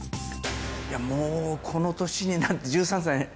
いやもうこの年になって。